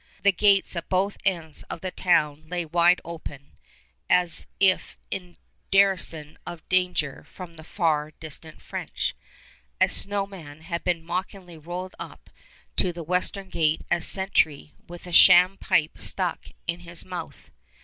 The gates at both ends of the town lay wide open, and as if in derision of danger from the far distant French, a snow man had been mockingly rolled up to the western gate as sentry, with a sham pipe stuck in his mouth.